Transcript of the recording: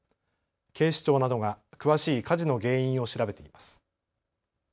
警視庁などが詳しい火事の原因を調べています。